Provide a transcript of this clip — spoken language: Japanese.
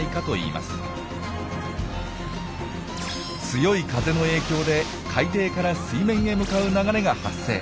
強い風の影響で海底から水面へ向かう流れが発生。